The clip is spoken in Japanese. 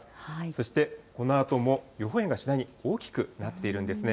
そして、このあとも予報円が次第に大きくなっているんですね。